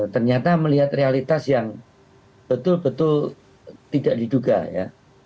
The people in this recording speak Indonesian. ternyata melihat realitas yang betul betul tidak diduga ya